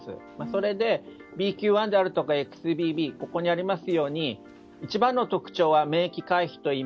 それで、ＢＱ．１やＸＢＢはここにありますように一番の特徴は免疫回避という。